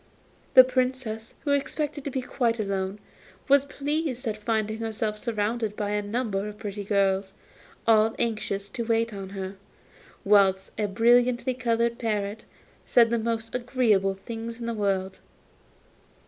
The Princess, who expected to be quite alone, was pleased at finding herself surrounded by a number of pretty girls, all anxious to wait on her, whilst a brilliantly coloured parrot said the most agreeable things in the world.